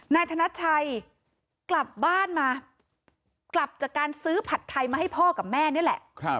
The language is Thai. นายธนชัยกลับบ้านมากลับจากการซื้อผัดไทยมาให้พ่อกับแม่นี่แหละ